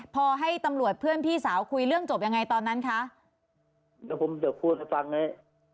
พอให้ตำรวจเพื่อนพี่สาวคุยเรื่องจบยังไงตอนนั้นคะแล้วผมจะพูดให้ฟังไง